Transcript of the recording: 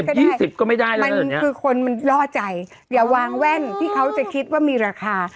ยี่สิบก็ไม่ได้เลยมันคือคนมันล่อใจอย่าวางแว่นที่เขาจะคิดว่ามีราคา